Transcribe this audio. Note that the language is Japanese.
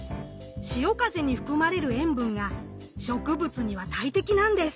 潮風に含まれる塩分が植物には大敵なんです！